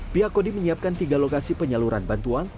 pihak kodim menyiapkan tiga lokasi penyaluran bantuan